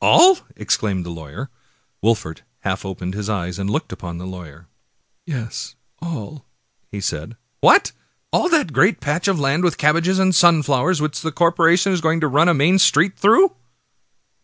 all? " exclaimed the lawyer. Wolfert half opened his eyes and looked upon the lawver. "Yes, all," said he. " What ! all that great patch of land with cabbages and sunflowers, which the corporation is just going to run a main street through?"